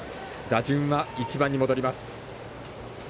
打順は１番に戻ります。